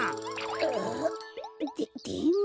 あっででも。